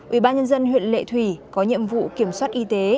ủy ban nhân dân huyện lệ thủy có nhiệm vụ kiểm soát y tế